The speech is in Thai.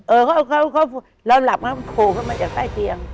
เอ่อเราหลักเค้าโผล่มาจากใต้เตียง